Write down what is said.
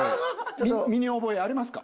身に覚えありますか？